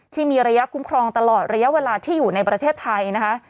ที่มีระยะคุ้มครองตลอดระยะเวลาที่อยู่ในประเทศไทยนะคะ